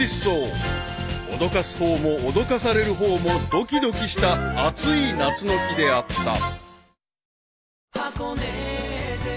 ［脅かす方も脅かされる方もドキドキした暑い夏の日であった］